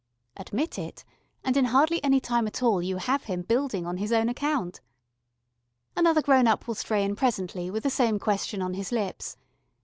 Admit it, and in hardly any time at all you have him building on his own account. Another grown up will stray in presently with the same question on his lips.